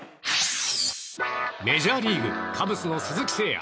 メジャーリーグカブスの鈴木誠也。